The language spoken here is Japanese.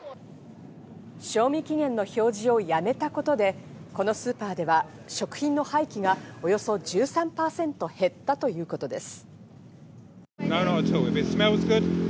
賞味期限の表示をやめたことでこのスーパーでは食品の廃棄がおよそ１３％減ったということです。